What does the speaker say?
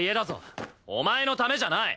お前のためじゃない！